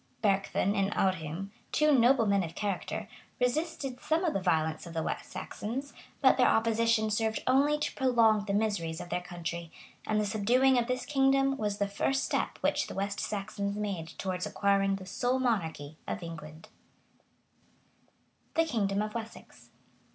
Bercthun and Audhum, two noblemen of character, resisted some time the violence of the West Saxons; but their opposition served only to prolong the miseries of their country; and the subduing of this kingdom was the first step which the West Saxons made towards acquiring the sole monarchy of England.[*] [* Brompton, p. 800.] THE KINGDOM OF WESSEX.